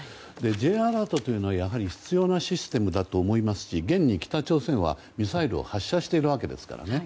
Ｊアラートというのはやはり必要なシステムだと思いますし現に北朝鮮はミサイルを発射していますから。